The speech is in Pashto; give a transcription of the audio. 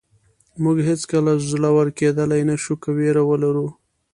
موږ هېڅکله زړور کېدلی نه شو که وېره ولرو.